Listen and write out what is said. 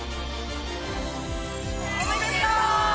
おめでとう！